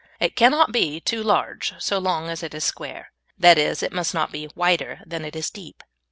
It cannot be too large so long as it is square; that is, it must not be wider than it is deep.